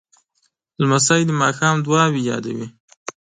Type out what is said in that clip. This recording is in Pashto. لمسی د ماښام دعاوې یادوي.